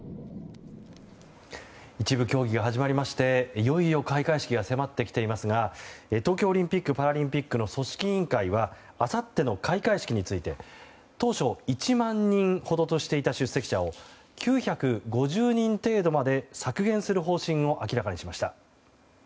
一部、競技が始まりましていよいよ開会式が迫ってきていますが東京オリンピック・パラリンピックの組織委員会はあさっての開会式について当初、１万人ほどとしていた出席者を９５０人程度まで削減する方針を明らかにしました。